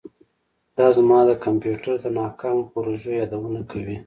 دا زما د کمپیوټر د ناکامو پروژو یادونه کوي